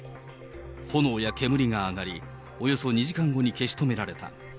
炎や煙が上がり、およそ２時間後に消し止められた。